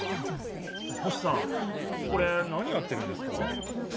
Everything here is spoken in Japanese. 星さんこれ何やってるんですか？